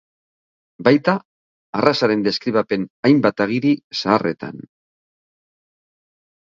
Baita arrazaren deskribapen hainbat agiri zaharretan.